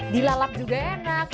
dilalap juga enak